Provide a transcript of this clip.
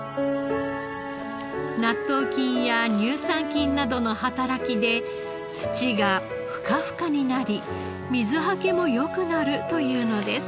納豆菌や乳酸菌などの働きで土がふかふかになり水はけも良くなるというのです。